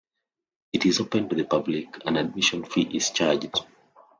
It is open to the public; an admission fee is charged.